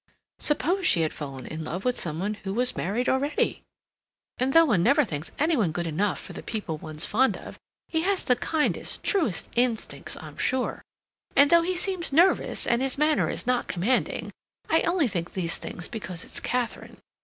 Suppose she had fallen in love with some one who was married already? "And though one never thinks any one good enough for the people one's fond of, he has the kindest, truest instincts, I'm sure, and though he seems nervous and his manner is not commanding, I only think these things because it's Katharine.